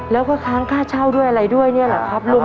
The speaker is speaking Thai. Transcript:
แล้วก็ค้างค่าเช่าด้วยอะไรด้วยเนี่ยเหรอครับลุง